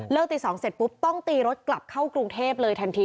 ตี๒เสร็จปุ๊บต้องตีรถกลับเข้ากรุงเทพเลยทันที